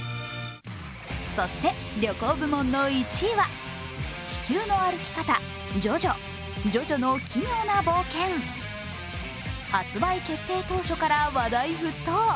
そして旅行部門の１位は「地球の歩き方ＪＯＪＯジョジョの奇妙な冒険」発売決定当初から話題沸騰。